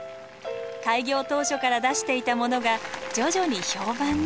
開業当初から出していたものが徐々に評判に。